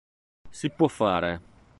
Si può fare